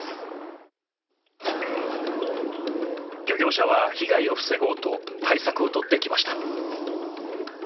漁業者は被害を防ごうと対策を取ってきました。